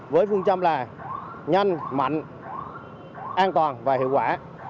với phương châm là nhanh mạnh an toàn và hiệu quả